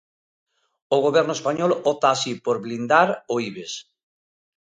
O Goberno español opta así por blindar o Ibex.